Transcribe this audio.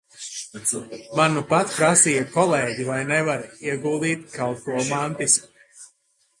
Man nupat prasīja kolēģi, vai nevar ieguldīt kaut ko mantisku.